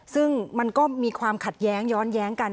ซึ่งมันก็มีความขัดแย้งย้อนแย้งกัน